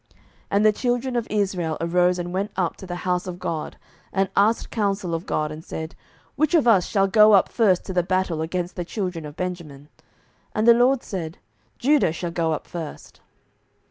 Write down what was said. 07:020:018 And the children of Israel arose, and went up to the house of God, and asked counsel of God, and said, Which of us shall go up first to the battle against the children of Benjamin? And the LORD said, Judah shall go up first.